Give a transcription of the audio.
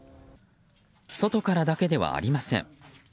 外からだけではありません。